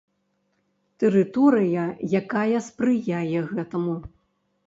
Тэрыторыя, якая спрыяе гэтаму.